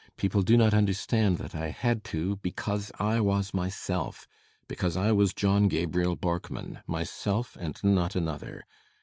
People do not understand that I had to, because I was myself because I was John Gabriel Borkman myself, and not another.